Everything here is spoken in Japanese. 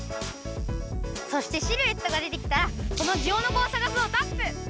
そしてシルエットが出てきたら「このジオノコをさがす」をタップ！